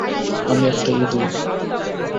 আমি একটা ইঁদুর।